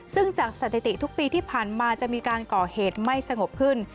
ซึ่งจากสถิติทุกปีที่ผ่านมาจะมีการก่อเหตุไม่สงบขึ้น